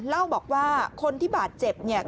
เล่าบอกว่าคนที่บาดเจ็บเนี่ย